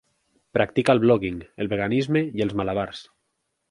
Practica el blogging, el veganisme i els malabars.